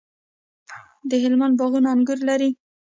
د هلمند باغونه انګور لري.